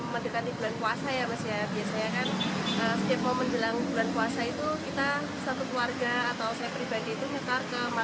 menjelang bulan puasa ya biasanya kan